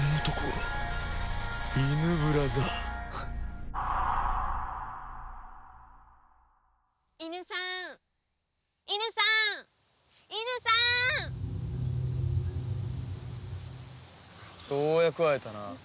ようやく会えたな。